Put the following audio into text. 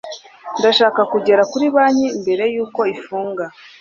Ndashaka kugera kuri banki mbere yuko ifunga